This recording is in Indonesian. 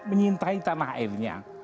menyintai tanah airnya